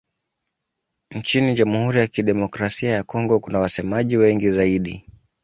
Nchini Jamhuri ya Kidemokrasia ya Kongo kuna wasemaji wengi zaidi.